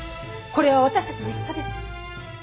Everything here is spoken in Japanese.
これは私たちの戦です。